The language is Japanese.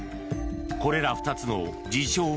これら２つの自称